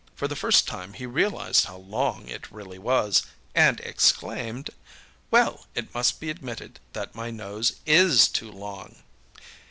For the first time he realized how long it really was, and exclaimed: âWell, it must be admitted that my nose is too long!